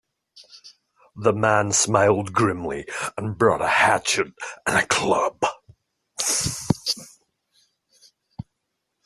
The man smiled grimly, and brought a hatchet and a club.